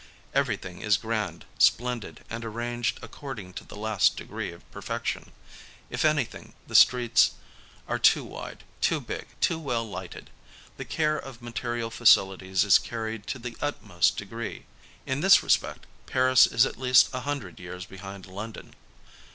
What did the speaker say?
Everything is grand, splendid and arranged accord ing to the last degree of perfection. If anything, the streets are too wide, too big, too well lighted. The care of ma terial facilities is carried to the utmost degree. In this respect, Paris is at least a hundred years behind London.